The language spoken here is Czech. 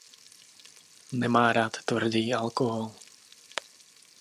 Nemá rád tvrdý alkohol.